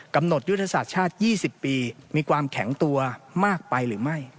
กำหนดยุทธศาสตร์ชาติ๒๐ปีมีความแข็งตัวมากไปหรือไม่